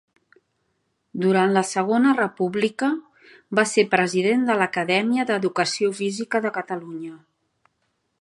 Durant la Segona República va ser president de l’Acadèmia d’Educació Física de Catalunya.